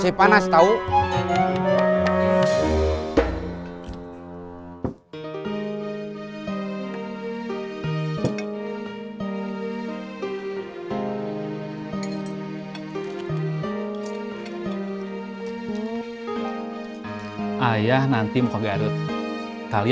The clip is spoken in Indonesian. saya enggak akan melawan takdir